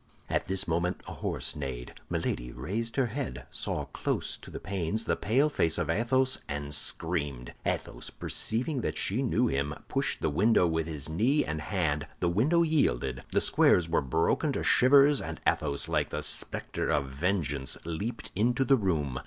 At this moment a horse neighed. Milady raised her head, saw close to the panes the pale face of Athos, and screamed. Athos, perceiving that she knew him, pushed the window with his knee and hand. The window yielded. The squares were broken to shivers; and Athos, like the spectre of vengeance, leaped into the room.